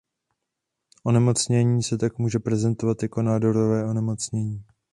Onemocnění se tak může prezentovat jako nádorové onemocnění.